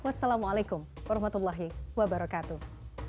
wassalamualaikum warahmatullahi wabarakatuh